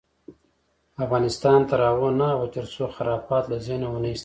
افغانستان تر هغو نه ابادیږي، ترڅو خرافات له ذهنه ونه ایستل شي.